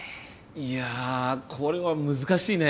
いやこれは難しいね！